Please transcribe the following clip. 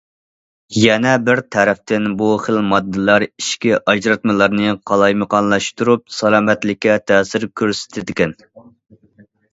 يەنە بىر تەرەپتىن، بۇ خىل ماددىلار ئىچكى ئاجراتمىلارنى قالايمىقانلاشتۇرۇپ، سالامەتلىككە تەسىر كۆرسىتىدىكەن.